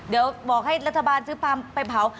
เดี๋ยวบอกให้รัฐบาลซื้อปลามไปเผา